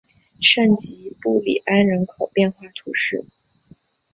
圣吉布里安人口变化图示